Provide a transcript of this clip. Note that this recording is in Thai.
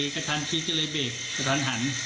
กระทันคิดก็เลยเบรกกระทันหัน